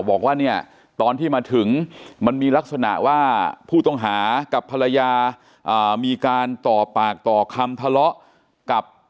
บอกว่าเนี่ยตอนที่มาถึงมันมีลักษณะว่าผู้ต้องหากับภรรยามีการต่อปากต่อคำทะเลาะกับ